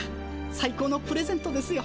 さい高のプレゼントですよ。